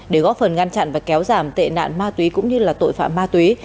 để góp phần ngăn chặn và kéo giảm tệ nạn ma túy cũng như là tội phạm ma túy